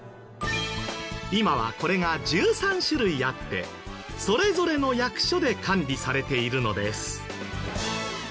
今はこれが１３種類あってそれぞれの役所で管理されているのです。